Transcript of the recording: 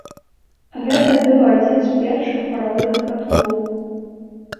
Гэта быў адзін з першых паравых катлоў.